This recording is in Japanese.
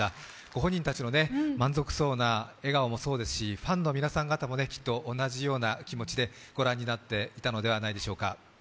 ご本人たちの満足そうな笑顔もそうですし、ファンの皆さん方も、きっと同じような気持ちでご覧になっていたのではないでしょうか。